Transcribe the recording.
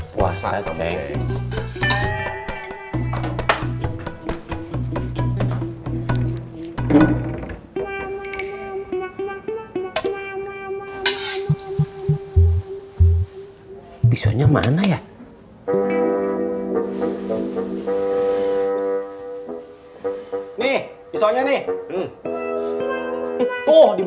puasa kamu cek